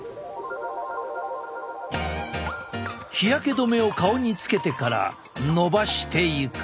日焼け止めを顔につけてからのばしていく。